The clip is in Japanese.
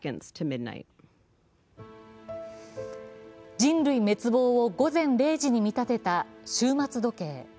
人類滅亡を午前０時に見立てた終末時計。